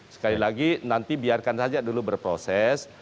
sekali lagi nanti biarkan saja dulu berproses